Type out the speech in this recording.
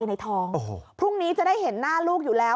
ในท้องพรุ่งนี้จะได้เห็นหน้าลูกอยู่แล้ว